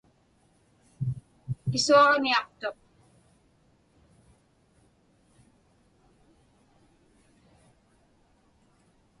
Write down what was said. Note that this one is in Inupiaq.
Pisuaġniaqtuq.